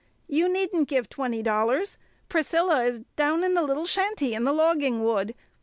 "You needn't give twenty dollars! Priscilla is down in the little shanty in the logging wood!